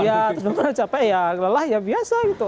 ya terus benar benar capek ya lelah ya biasa gitu